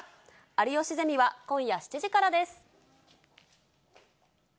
有吉ゼミは今夜７時からです。